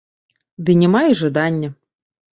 Ды няма і жадання.